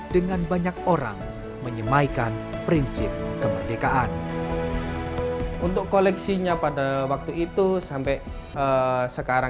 dengan banyak orang menyemaikan prinsip kemerdekaan untuk koleksinya pada waktu itu sampai sekarang